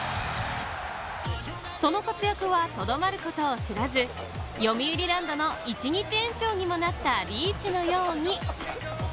その活躍はとどまることを知らず、よみうりランドの１日園長にもなったリーチのように。